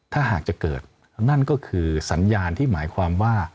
ถ้าหากจะเกิดนั่นก็คือสัญญาณที่หมายความว่า